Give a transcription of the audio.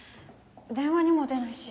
電話にも出ないし。